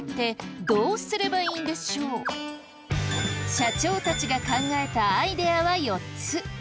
社長たちが考えたアイデアは４つ。